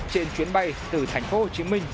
trên chuyến bay từ thành phố hồ chí minh